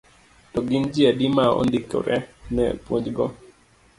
To gin ji adi ma ondikore ne puonjgo.